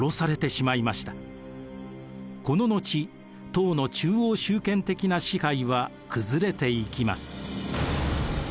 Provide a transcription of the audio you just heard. この後唐の中央集権的な支配は崩れていきます。